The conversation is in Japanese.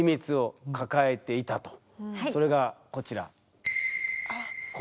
それがこちら。